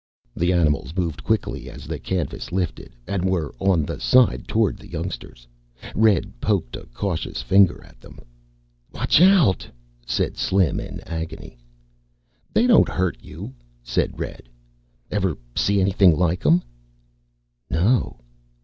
The animals moved quickly as the canvas lifted and were on the side toward the youngsters. Red poked a cautious finger at them. "Watch out," said Slim, in agony. "They don't hurt you," said Red. "Ever see anything like them?" "No."